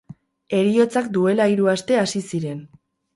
Heriotzak duela hiru aste hasi ziren.